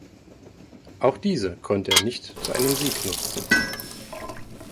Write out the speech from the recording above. Auch diese konnte er nicht zu einem Sieg nutzen.